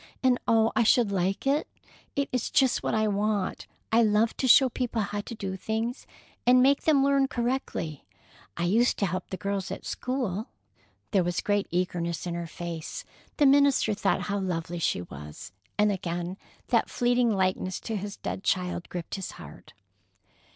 "And, oh, I should like it! It is just what I want. I love to show people how to do things, and make them learn correctly. I used to help the girls at school." There was great eagerness in her face. The minister thought how lovely she was, and again that fleeting likeness to his dead child gripped his heart.